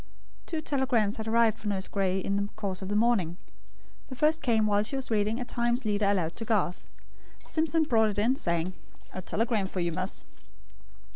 Two telegrams had arrived for Nurse Gray in the course of the morning. The first came while she was reading a Times leader aloud to Garth. Simpson brought it in, saying: "A telegram for you, miss."